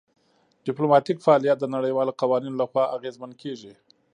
ډیپلوماتیک فعالیت د نړیوالو قوانینو لخوا اغیزمن کیږي